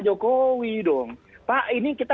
jokowi dong pak ini kita